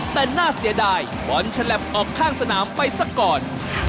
แต่น่าเสียดายบอลฉลับออกข้างสนามไปซะก่อน